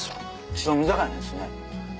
白身魚ですね。